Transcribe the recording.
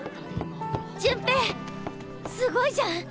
潤平すごいじゃん。